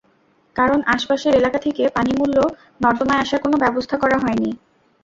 কারণ, আশপাশের এলাকা থেকে পানি মূল নর্দমায় আসার কোনো ব্যবস্থা করা হয়নি।